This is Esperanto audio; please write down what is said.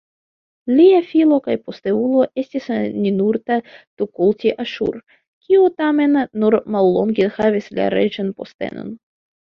Lia filo kaj posteulo estis Ninurta-tukulti-Aŝur, kiu tamen nur mallonge havis la reĝan postenon.